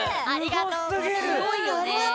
すごいよね。